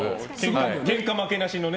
けんか負けなしのね。